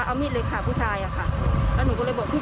แล้วนายคำพุทธก็แทงเดี๋ยวตอนนั้นยังไม่แทงนะครับ